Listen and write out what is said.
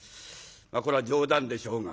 まあこれは冗談でしょうが。